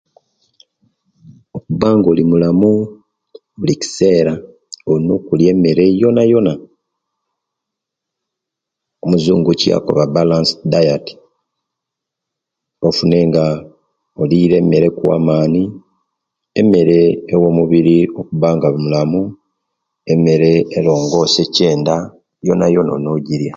Okubba nga olimulamu bulikisera olina okulia emere yonayona omuzungu ekyeyakoba balanced diet ofune nga olire emeere ekuwa amani emeere ewa omubiri okuba nga olimulamu emeere elongosia ekyenda yonayona olina okujjiria